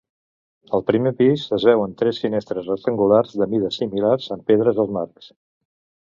Al primer pis, es veuen tres finestres rectangulars de mides similars amb pedres als marcs.